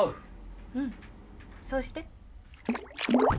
うんそうして。